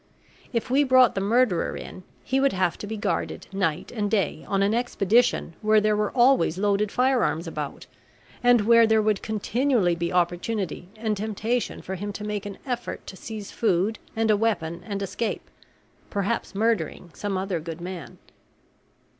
If we brought the murderer in he would have to be guarded night and day on an expedition where there were always loaded firearms about, and where there would continually be opportunity and temptation for him to make an effort to seize food and a weapon and escape, perhaps murdering some other good man.